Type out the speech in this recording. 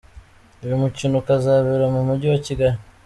Uyu mukino ukazabera mu mujyi wa Kigali.